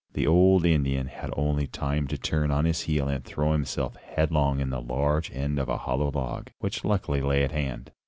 The old Indian had only time to turn on his heel and throw himself headlong in the large end of a hollow log, which luckily lay at hand.